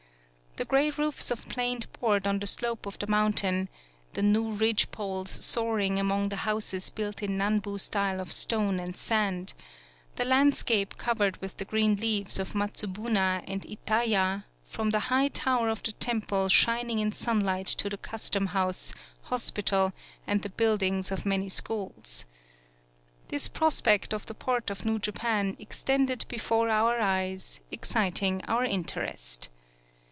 The gray roofs of planed board on the slope of the moun tain ; the new ridge poles soaring among the houses built in Nanbu style of stone and sand; the landscape covered with the green leaves of Matsubuna and Itaya, from the high tower of the tem ple shining in sunlight to the custom house, hospital, and the buildings of many schools. This prospect of the port of New Japan extended before our eyes, exciting our interest.